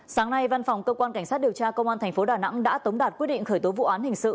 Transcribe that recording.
sáng nay văn phòng cơ quan cảnh sát điều tra công an tp đà nẵng đã tống đạt quyết định khởi tố vụ án hình sự